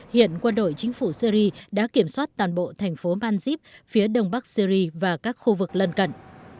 hiện quân đội chính phủ syri đã kiểm soát toàn bộ thành phố manjib phía đông bắc syri và các khu vực lân cận